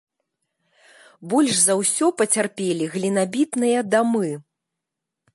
Больш за ўсё пацярпелі глінабітныя дамы.